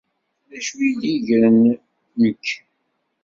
D acu i yi-d-yegren nekk?